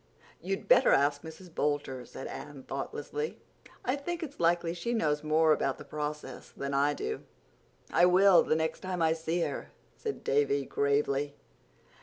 "You'd better ask Mrs. Boulter," said Anne thoughtlessly. "I think it's likely she knows more about the process than I do." "I will, the next time I see her," said Davy gravely.